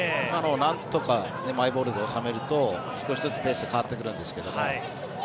なんとかマイボールで収めると少しずつペースが変わってくるんですけど。